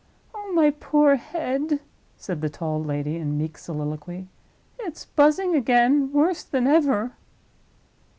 "Oh, my poor head!" said the tall lady, in meek soliloquy; "it's Buzzing again worse than ever!"